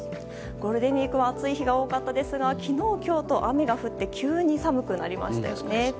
ゴールデンウィークは暑い日が多かったですが昨日、今日と雨が降って急に寒くなりましたよね。